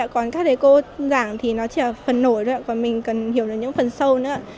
còn các thầy cô giảng thì nó chỉ phần nổi thôi còn mình cần hiểu được những phần sâu nữa